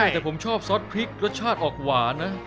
แต่ผมชอบซอสพริกรสชาติออกหวานนะ